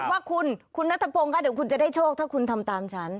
ว่าคุณคุณนัทพงศ์คะเดี๋ยวคุณจะได้โชคถ้าคุณทำตามฉัน